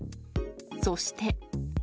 そして。